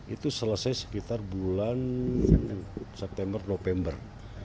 itu selesai sekitar bulan september november dua ribu enam belas